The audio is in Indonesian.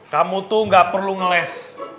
kamu itu nggak perlu ngeles